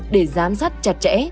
để giám sát chặt chẽ